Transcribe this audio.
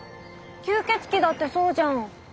吸血鬼だってそうじゃん。